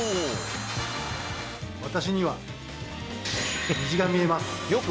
私には虹が見えます！